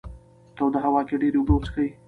توده هوا کې ډېرې اوبه وڅښئ.